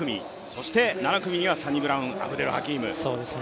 そして７組にはサニブラウン・アブデルハキーム。